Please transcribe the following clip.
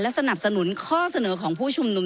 สนับสนุนข้อเสนอของผู้ชุมนุม